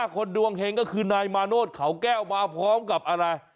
คนดวงเฮงก็คือนายมาโนธเขาแก้วมาพร้อมกับอะไร